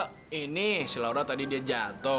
eh ini si laura tadi dia jatuh